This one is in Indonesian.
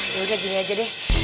yaudah gini aja deh